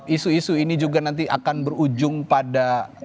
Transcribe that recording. isu isu ini juga nanti akan berujung pada